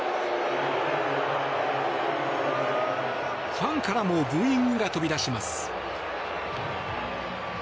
ファンからもブーイングが飛び出します。